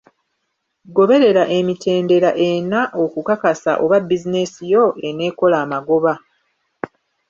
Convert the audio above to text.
Goberera emitendera ena okukakasa oba bizinensi yo eneekola amagoba.